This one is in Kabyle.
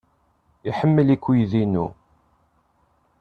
Iḥemmel-ik uydi-inu.